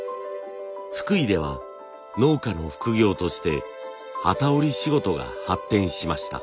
福井では農家の副業として機織り仕事が発展しました。